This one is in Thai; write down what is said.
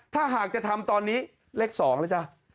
ถ้าหากจะทำตอนนี้เลข๒เลยจ้ะ